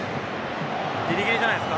ギリギリじゃないですか。